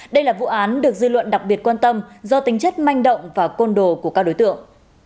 đây là vụ án được dư luận đặc biệt quan tâm do tính chất manh động và côn đồ của các đối tượng